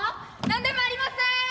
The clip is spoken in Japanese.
何でもありません！